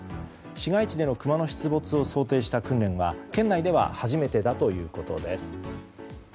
市街地でのクマの出没を想定した訓練は県内では初めてだということです。